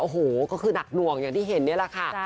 โอ้โหก็คือหนักหน่วงอย่างที่เห็นนี่แหละค่ะ